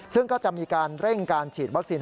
ซึ่งก็จะมีการเร่งการฉีดวัคซีน